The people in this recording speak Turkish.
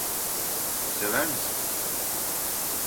Sever misin?